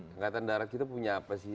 angkatan darat kita punya apa sih